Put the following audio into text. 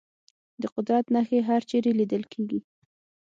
د قدرت نښې هرچېرې لیدل کېږي.